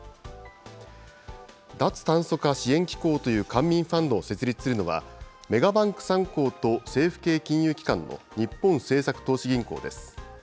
脱炭素化支援機構という官民ファンドを設立するのは、メガバンク３行と政府系金融機関の日本政策投資銀行です。